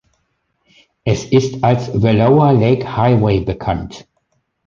Es ist als Wallowa Lake Highway bekannt.